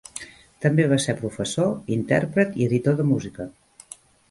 També va ser professor, intèrpret i editor de música.